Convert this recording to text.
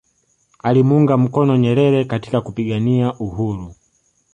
alimuunga mkono Nyerere katika kupigania uhuru